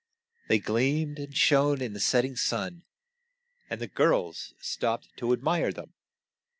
They gleamed and shone in the set ting sun, and the girls stopped to ad mire them.